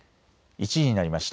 １時になりました。